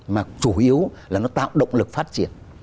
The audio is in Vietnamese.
mà chủ yếu là nó tạo động lực phát triển